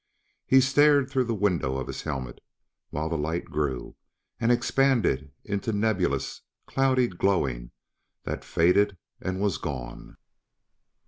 He stared through the window of his helmet while the light grew and expanded into nebulous, cloudy glowing that faded and was gone.